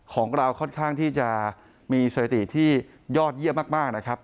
ของเราค่อนข้างที่จะมีสถิติที่ยอดเยี่ยมมากนะครับ